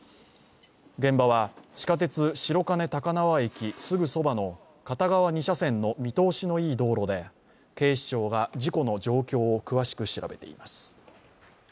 現場は、地下鉄・白金高輪駅すぐそばの片側２車線の見通しのいい道路で警視庁が事故の状況を詳しく調べています。